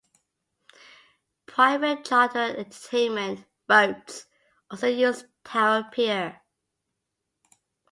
Private-charter entertainment boats also use Tower Pier.